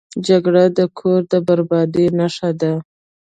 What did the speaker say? جګړه د کور د بربادۍ نښه ده